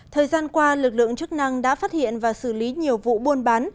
thời gian qua lực lượng chức năng đã phát hiện và xử lý nhiều vụ buôn bán